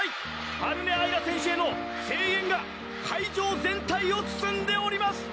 春音あいら選手への声援会場全体を包んでおります！